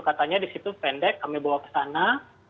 katanya di situ pendek kami bawa ke sana